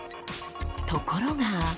ところが。